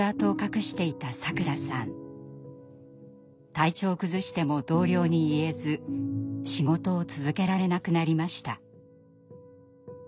体調を崩しても同僚に言えず仕事を続けられなくなりました。